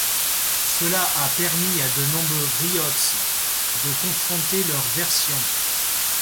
Cela a permis à de nombreux griots de confronter leurs versions.